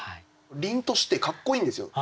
りんとしてかっこいいんですよ